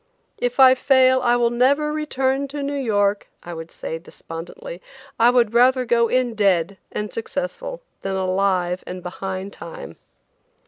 "If I fail, I will never return to New York," I would say despondently; "I would rather go in dead and successful than alive and behind time."